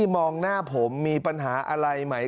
เขาเล่าบอกว่าเขากับเพื่อนเนี่ยที่เรียนปลูกแดงใช่ไหม